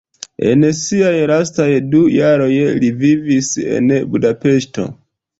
En siaj lastaj du jaroj li vivis en Budapeŝto.